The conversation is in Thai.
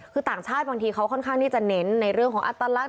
คือต่างชาติบางทีเขาค่อนข้างที่จะเน้นในเรื่องของอัตลักษ